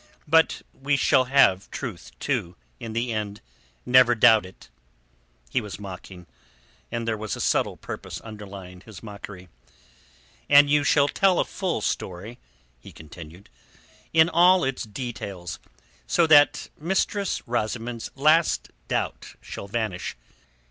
But we shall have truth, too, in the end, never doubt it." He was mocking, and there was a subtle purpose underlying his mockery. "And you shall tell a full story," he continued, "in all its details, so that Mistress Rosamund's last doubt shall vanish.